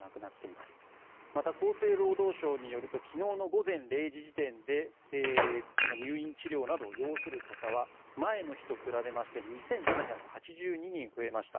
また、厚生労働省によると昨日の午前０時時点で入院治療などを要する方は前の日と比べまして２７８２人増えました。